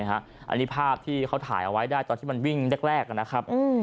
อันนี้ภาพที่เขาถ่ายเอาไว้ได้ตอนที่มันวิ่งแรกนะครับ